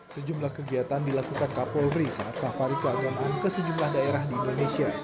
sejumlah kegiatan dilakukan kapolri saat safari keagamaan ke sejumlah daerah di indonesia